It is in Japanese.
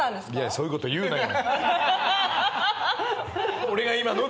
そういうこと言うなよ。